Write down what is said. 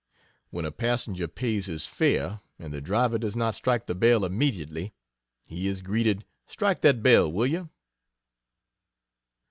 When a passenger pays his fare and the driver does not strike the bell immediately, he is greeted "Strike that bell! will you?"